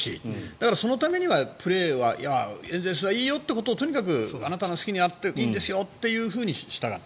だから、そのためにはプレーはエンゼルスはいいよということをとにかくあなたの好きにやっていいんですよというようにしたい。